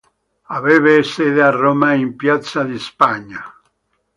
Aveva sede a Roma, in Piazza di Spagna.